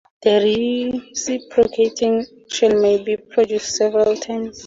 The reciprocating action may be produced several ways.